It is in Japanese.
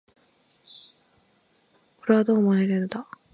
これはどうも尤もだ